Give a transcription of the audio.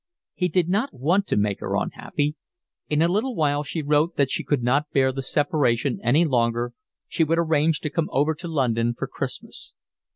He did not want to make her unhappy. In a little while she wrote that she could not bear the separation any longer, she would arrange to come over to London for Christmas.